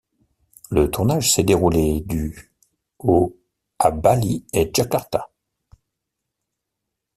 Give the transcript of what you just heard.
Le tournage s'est déroulé du au à Bali et Jakarta.